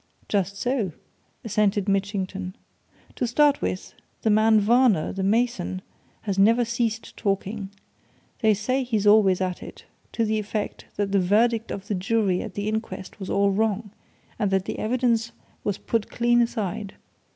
"Just so," assented Mitchington. "To start with, that man Varner, the mason, has never ceased talking. They say he's always at it to the effect that the verdict of the jury at the inquest was all wrong, and that his evidence was put clean aside.